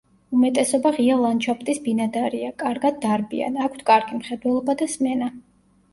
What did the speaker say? უმეტესობა ღია ლანდშაფტის ბინადარია, კარგად დარბიან, აქვთ კარგი მხედველობა და სმენა.